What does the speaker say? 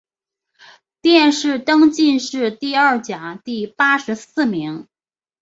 殿试登进士第二甲第八十四名。